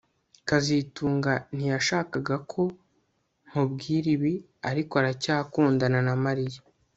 kazitunga ntiyashakaga ko nkubwira ibi ariko aracyakundana na Mariya